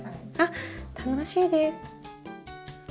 あっ楽しいです。